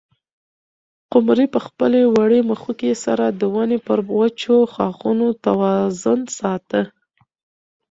قمرۍ په خپلې وړې مښوکې سره د ونې پر وچو ښاخونو توازن ساته.